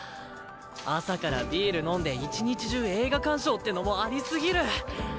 朝からビール飲んで一日中映画鑑賞ってのもあり過ぎる。